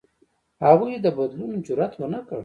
هغوی د بدلون جرئت ونه کړ.